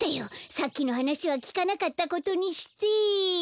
さっきのはなしはきかなかったことにして。